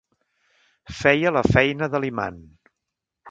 Feia la feina de l'imant.